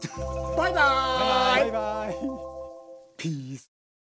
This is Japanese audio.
バイバイ！